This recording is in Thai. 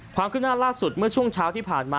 ความขึ้นหน้าล่าสุดเมื่อช่วงเช้าที่ผ่านมา